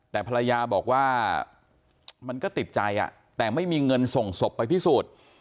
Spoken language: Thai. แต่ภรรยาบอกว่ามันก็ติดใจแต่ไม่มีเงินส่งศพไปพิสูจน์